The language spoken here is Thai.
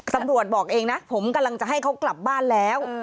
ตำรวจบอกเองนะผมกำลังจะให้เขากลับบ้านแล้ว